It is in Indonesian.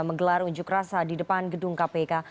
menggelar unjuk rasa di depan gedung kpk